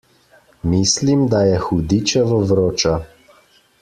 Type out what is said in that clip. Mislim, da je hudičevo vroča.